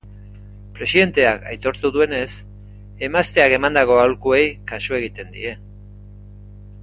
Presidenteak aitortu duenez, emazteak emandako aholkuei kasu egiten die.